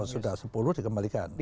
sudah sepuluh dikembalikan